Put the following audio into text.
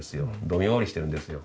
どんよりしてるんですよ。